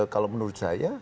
kalau menurut saya